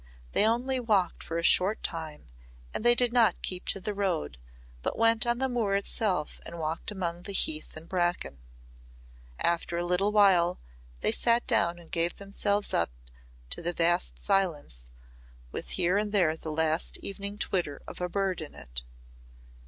They only walked for a short time and they did not keep to the road but went on to the moor itself and walked among the heath and bracken. After a little while they sat down and gave themselves up to the vast silence with here and there the last evening twitter of a bird in it.